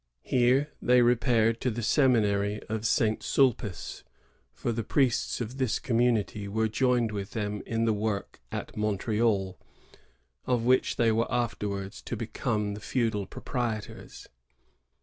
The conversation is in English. Here they repaired to the seminary of St. Sulpice; for the priests of this community were joined with them in the work at Montreal, of which they were afterwards to become the feudal proprietors.